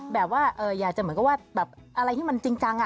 แบบว่าอยากจะเหมือนกับว่าแบบอะไรที่มันจริงจัง